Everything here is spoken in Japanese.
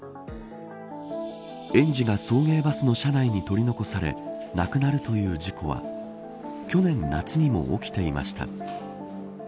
園児が送迎バスの車内に取り残され亡くなるという事故は去年、夏にも起きていました。